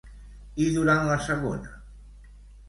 I durant la segona?